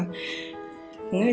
có nghĩa là